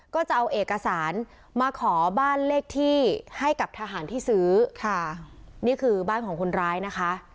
ก็จะเอาเอกสารมาขอบ้านเลขที่ให้กับทหารที่ซื้อค่ะนี่คือบ้านของคนร้ายนะคะ